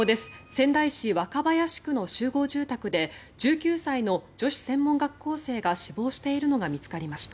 仙台市若林区の集合住宅で１９歳の女子専門学校生が死亡しているのが見つかりました。